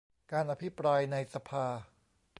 การอภิปราย ในสภา